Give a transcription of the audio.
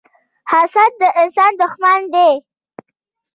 حسد د انسان دښمن دی